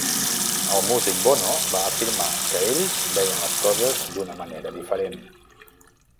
El músic Bono va afirmar que ells veien les coses d'una manera diferent.